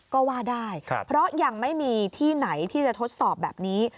ก็ว่าได้เพราะยังไม่มีที่ไหนที่จะทดสอบแบบนี้